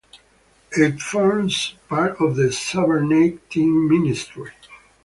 It forms part of the Savernake team ministry.